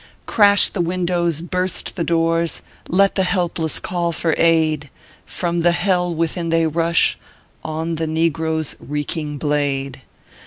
"Crash the windows, burst the doors^ Let the helpless call for aid; From the hell within they rush On the negro s reeking blade.